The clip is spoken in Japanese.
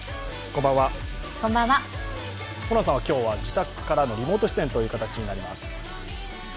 ホランさんは今日は自宅からのリモート出演という形になります。